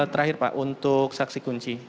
terakhir pak untuk saksi kunci